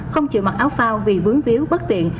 không chịu mặc áo phao vì vướng víu bất tiện